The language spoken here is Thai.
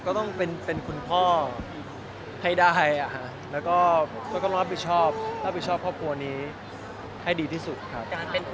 ก็ต้องเป็นคุณพ่อให้ได้แล้วก็ต้องรับผิดชอบรับผิดชอบครอบครัวนี้ให้ดีที่สุดครับ